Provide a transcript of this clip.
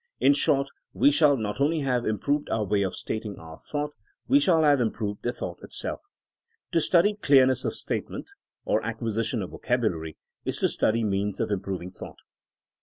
In short, we shall not only have improved our way of stating our thought ; we shall have improved the thought itself. To study clearness of statement ^Literary Taste, TBINKINO AS A SCIENCE 197 or acquisition of vocabulary is to study means of improving thought.